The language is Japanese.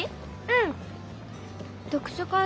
うん。